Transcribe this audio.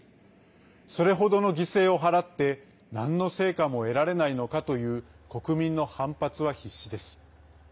それほどの犠牲を払ってなんの成果も得られないのかという国民の反発は必至です。